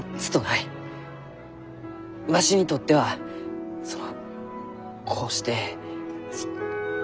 わしにとってはそのこうして。